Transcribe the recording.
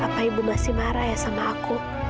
apa ibu masih marah ya sama aku